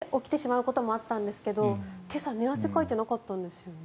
そのせいで起きてしまうこともあったんですが今朝寝汗かいてなかったんですよね。